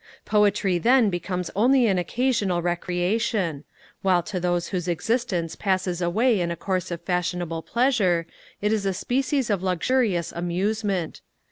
Poetry then becomes only an occasional recreation; while to those whose existence passes away in a course of fashionable pleasure, it is a species of luxurious amusement.